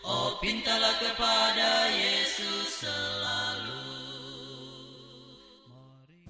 oh pintalah kepada yesus selalu